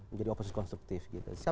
menjadi oposisi konstruktif gitu